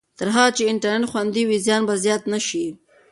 تر هغه چې انټرنېټ خوندي وي، زیان به زیات نه شي.